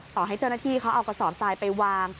ต่อให้เจ้าหน้าที่เขาเอากระสอบทรายไปวาง